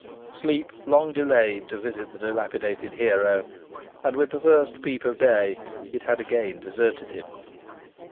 Sleep long delayed to visit the dilapidated hero, and with the first peep of day it had again deserted him.